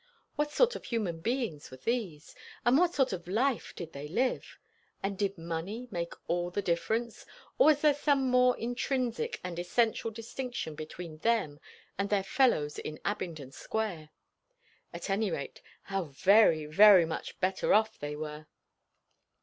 What sort of human beings were these? and what sort of life did they live? and did money make all the difference, or was there some more intrinsic and essential distinction between them and their fellows in Abingdon Square? At any rate, how very, very much better off they were!